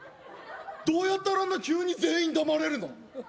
どうやったらあんな急に全員黙れるの？